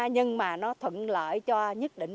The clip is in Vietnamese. nhưng mà nó thuận lợi cho nhất định